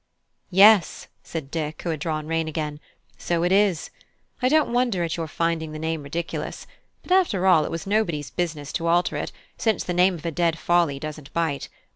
"Yes," said Dick, who had drawn rein again, "so it is. I don't wonder at your finding the name ridiculous: but after all, it was nobody's business to alter it, since the name of a dead folly doesn't bite.